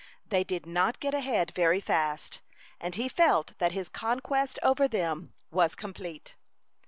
They did not get ahead very fast, and he felt that his conquest over them was complete.